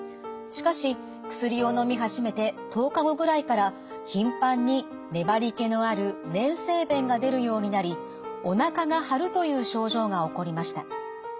しかし薬をのみ始めて１０日後ぐらいから頻繁に粘りけのある粘性便が出るようになりおなかが張るという症状が起こりました。